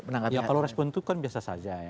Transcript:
nah kalau respon itu kan biasa saja ya